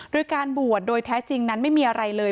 โดยการบวชโดยแท้จริงนั้นไม่มีอะไรเลย